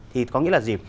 thì có nghĩa là gì